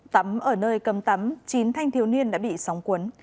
tắm ở nơi cấm tắm chín thanh thiếu niên đã bị sóng cuốn